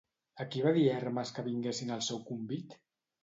A qui va dir Hermes que vinguessin al seu convit?